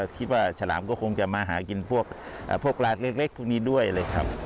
ฉลามก็คงจะมาหากินพวกร้านเล็กพวกนี้ด้วยเลยครับ